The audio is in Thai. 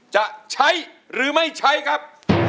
จะใช้หรือไม่ใช้ครับ